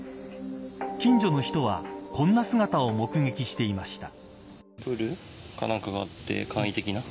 近所の人はこんな姿を目撃していました。